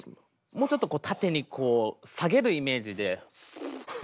もうちょっと縦に下げるイメージで。